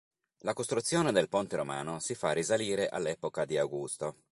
La costruzione del ponte romano si fa risalire all'epoca di Augusto.